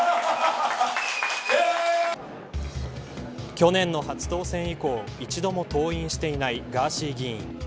去年の初当選以降一度も登院していないガーシー議員。